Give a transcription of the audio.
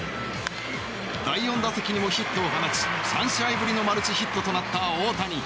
第４打席にもヒットを放ち３試合ぶりのマルチヒットとなった大谷。